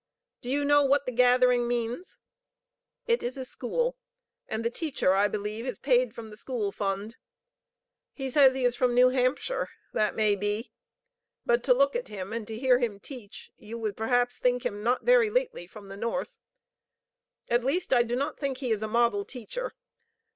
Do you know what the gathering means? It is a school, and the teacher, I believe, is paid from the school fund. He says he is from New Hampshire. That may be. But to look at him and to hear him teach, you would perhaps think him not very lately from the North; at least I do not think he is a model teacher.